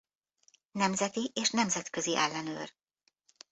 Nemzeti- és nemzetközi ellenőr.